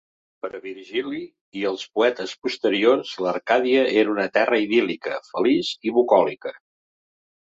Per Virgili, i els poetes posteriors, l'Arcàdia era una terra idíl·lica, feliç i bucòlica.